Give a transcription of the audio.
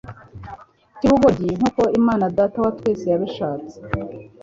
cy'ubugoryi nk'uko Imana Data wa twese yabishatse."